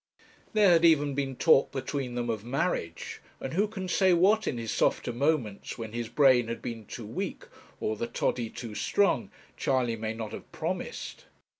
There had even been talk between them of marriage, and who can say what in his softer moments, when his brain had been too weak or the toddy too strong, Charley may not have promised?